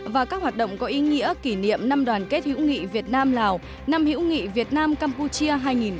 và các hoạt động có ý nghĩa kỷ niệm năm đoàn kết hữu nghị việt nam lào năm hữu nghị việt nam campuchia hai nghìn một mươi chín